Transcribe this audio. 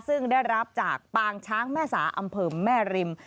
ซึ่งได้รับจากปางช้างแม่สาอำเภอแม่ริม